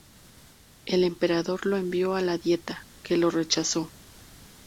El emperador lo envió a la Dieta, que lo rechazó.